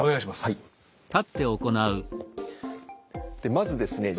まずですね